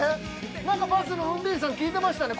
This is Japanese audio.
なんかバスの運転手さんに聞いてましたね？